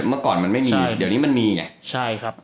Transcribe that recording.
เมื่อก่อนมันไม่มีเดี๋ยวนี้มีเนี่ย